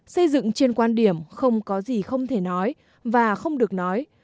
xây dựng trên quan điểm không có gì không thể nói và không được nói